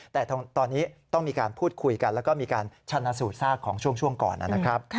แต่ตอนนี้ต้องมีการพูดคุยกันและมีการชนะสูตรทราบของช่วงก่อน